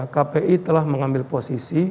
kpi telah mengambil posisi